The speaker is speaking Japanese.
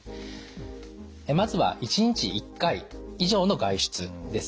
まずは「１日１回以上の外出」です。